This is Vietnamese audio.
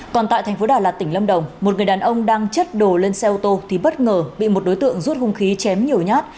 còn tại thành phố đà lạt tỉnh lâm đồng một người đàn ông đang chất đồ lên xe ô tô thì bất ngờ bị một đối tượng rút hung khí chém nhiều nhát